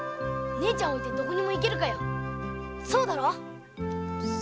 姉ちゃん置いてどこへ行けるかよそうだろ。